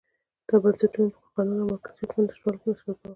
دا بنسټونه د قانون او مرکزي حکومت نشتوالي په نسبت پرمختګ و.